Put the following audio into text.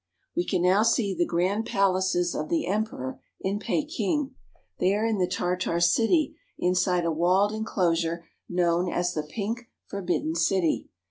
We can now see the grand palaces of the Emperor in Peking. They are in the Tartar City inside a walled inclosure known as the Pink Forbidden City.